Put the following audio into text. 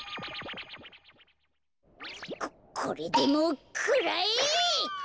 ここれでもくらえ！